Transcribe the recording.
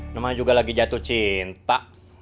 namanya juga lagi jatuh cinta